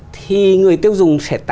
thì người tiêu dùng sẽ trả